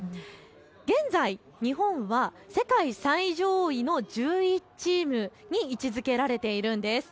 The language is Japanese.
現在、日本は世界最上位の１１チームに位置づけられているんです。